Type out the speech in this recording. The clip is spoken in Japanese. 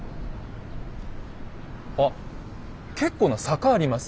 あ結構な坂あります？